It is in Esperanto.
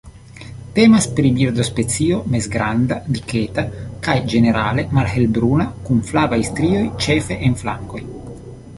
Temas pri birdospecio mezgranda, diketa kaj ĝenerale malhelbruna kun flavaj strioj ĉefe en flankoj.